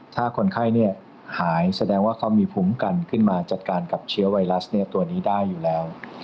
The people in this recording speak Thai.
ถ้าคนไข้หายแสดงว่าเขามีภูมิกันขึ้นมาจัดการกับเชื้อไวรัสตัวนี้ได้อยู่แล้ว